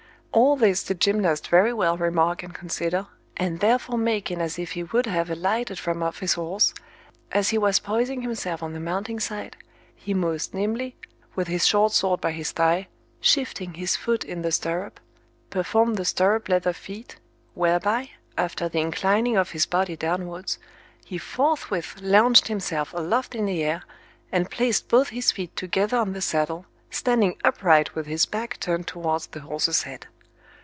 All this did Gymnast very well remark and consider, and therefore making as if he would have alighted from off his horse, as he was poising himself on the mounting side, he most nimbly, with his short sword by his thigh, shifting his foot in the stirrup, performed the stirrup leather feat, whereby, after the inclining of his body downwards, he forthwith launched himself aloft in the air, and placed both his feet together on the saddle, standing upright with his back turned towards the horse's head.